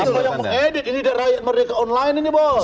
kalau yang mengedit ini mereka online ini bos